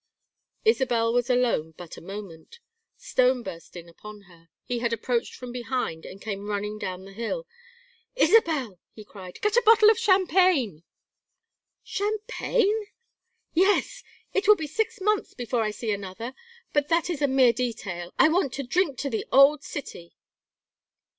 Isabel was alone but a moment. Stone burst in upon her. He had approached from behind, and came running down the hill. "Isabel," he cried. "Get a bottle of champagne." "Champagne?" "Yes. It may be six months before I see another but that is a mere detail. I want to drink to the old city."